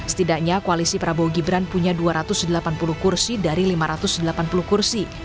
setidaknya koalisi prabowo gibran punya dua ratus delapan puluh kursi dari lima ratus delapan puluh kursi